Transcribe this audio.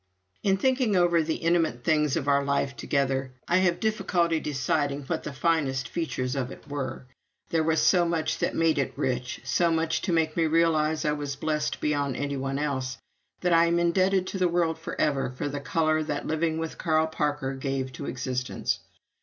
In thinking over the intimate things of our life together, I have difficulty in deciding what the finest features of it were. There was so much that made it rich, so much to make me realize I was blessed beyond any one else, that I am indebted to the world forever for the color that living with Carl Parker gave to existence.